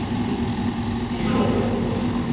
Dlu.